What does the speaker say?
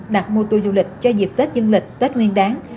đặt mua tour du lịch cho dịp tết dương lịch tết nguyên đáng